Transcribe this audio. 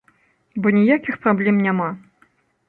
Бо ніякіх праблем няма.